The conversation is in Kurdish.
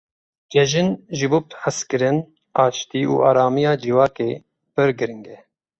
Cejin ji bo hezkirin, aştî û aramiya civakê pir giring e.